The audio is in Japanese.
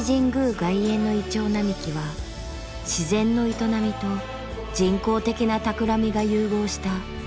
外苑の銀杏並木は自然の営みと人工的なたくらみが融合した造形物。